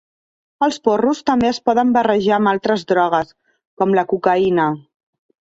Els porros també es poden barrejar amb altres drogues, com la cocaïna.